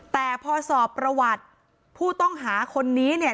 แต่พอสอบประวัติผู้ต้องหาคนนี้เนี่ย